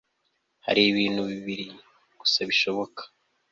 hari ibintu bibiri gusa bishoboka